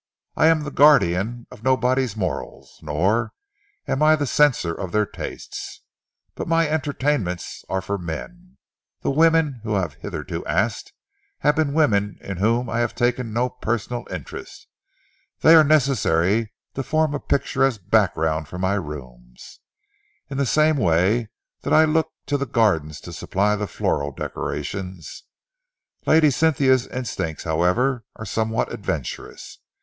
"I am the guardian of nobody's morals, nor am I the censor of their tastes, but my entertainments are for men. The women whom I have hitherto asked have been women in whom I have taken no personal interest. They are necessary to form a picturesque background for my rooms, in the same way that I look to the gardeners to supply the floral decorations. Lady Cynthia's instincts, however, are somewhat adventurous.